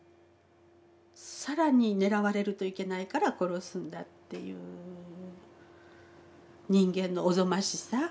更に狙われるといけないから殺すんだっていう人間のおぞましさ。